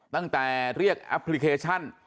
ตั้งแต่เรียกแอปพลิเคชัน